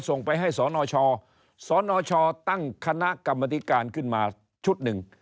ส่งไปให้สนชสนชตั้งคณะกรรมธิการขึ้นมาชุดหนึ่ง